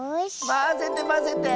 まぜてまぜて！